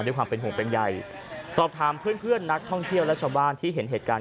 ด้วยความเป็นห่วงเป็นใยสอบถามเพื่อนเพื่อนนักท่องเที่ยวและชาวบ้านที่เห็นเหตุการณ์